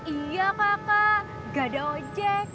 iya kakak gak ada ojek